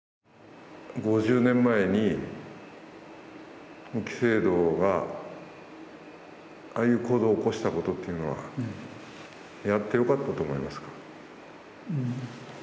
５０年前に、沖青同がああいう行動を起こしたことというのは、やってよかったと思いますか？